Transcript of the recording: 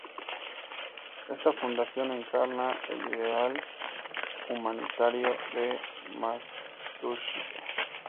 Esta fundación encarna el ideal humanitario de Matsushita.